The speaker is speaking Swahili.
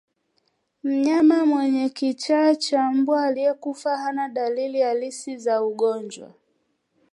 Mnyama mwenye kichaa cha mbwa aliyekufa hana dalili halisi za ugonjwa